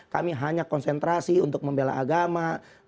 kami hanya konsentrasi untuk membela agama